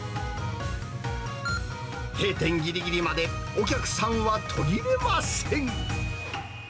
閉店ぎりぎりまでお客さんは途切れません。